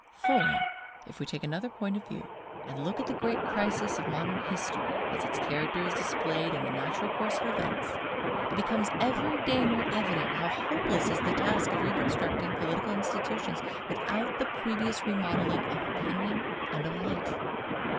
For, if we take another point of view, and look at the great crisis of modern history, as its character is displayed in the natural course of events, it becomes every day more evident how hopeless is the task of reconstructing political institutions without the previous remodelling of opinion and of life.